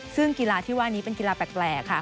ซึ่งกีฬาที่ว่านี้เป็นกีฬาแปลกค่ะ